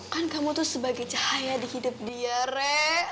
kan kamu tuh sebagai cahaya di hidup dia rek